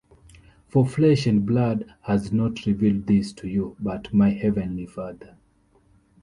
For flesh and blood has not revealed this to you, but my heavenly Father.